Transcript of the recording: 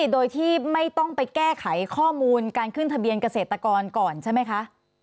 โดยที่ไม่ต้องไปแก้ไขข้อมูลการขึ้นทะเบียนเกษตรกรก่อนใช่ไหมคะ